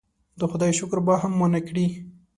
د خدای شکر به هم ونه کړي.